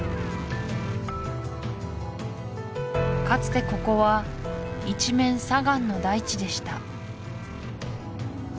かつてここは一面砂岩の大地でした